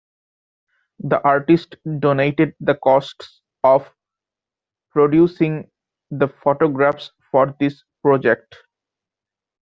The artist donated the costs of producing the photographs for this project.